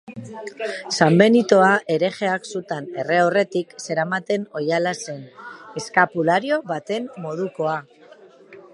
Sanbenitoa herejeak sutan erre aurretik zeramaten oihala zen, eskapulario baten modukoa.